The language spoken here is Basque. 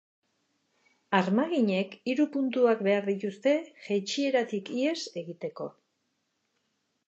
Armaginek hiru puntuak behar dituzte jeitsieratik ihes egiteko.